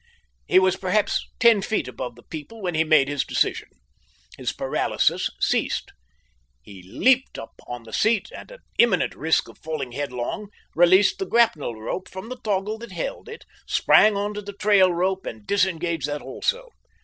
He was perhaps ten feet above the people when he made his decision. His paralysis ceased. He leapt up on the seat, and, at imminent risk of falling headlong, released the grapnel rope from the toggle that held it, sprang on to the trail rope and disengaged that also.